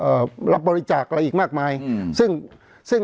เพราะฉะนั้นประชาธิปไตยเนี่ยคือการยอมรับความเห็นที่แตกต่าง